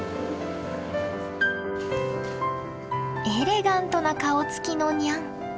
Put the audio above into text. エレガントな顔つきのニャン。